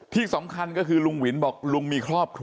ที่สำคัญก็คือลุงวินบอกลุงมีครอบครัว